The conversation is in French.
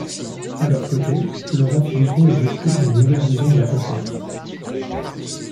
À leurs côtés, Laurent Philippon y découvre une nouvelle vision de la coiffure.